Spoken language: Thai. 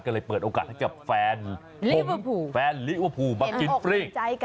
ก็เลยเปิดโอกาสให้ให้แฟนลิเวอร์ปูมากินเฟรง